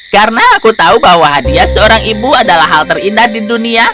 karena aku tahu bahwa hadiah seorang ibu adalah hal terindah di dunia